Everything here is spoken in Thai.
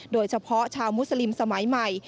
โดยเฉพาะชาวมุสลิมสมัยใหม่